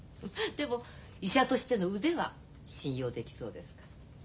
でも医者としての腕は信用できそうですから。